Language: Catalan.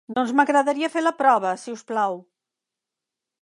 Doncs m'agradaria fer la prova, si us plau.